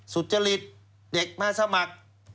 สุจริตเด็กมาสมัคร